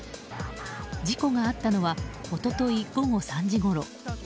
事故があったのは一昨日午後３時ごろ。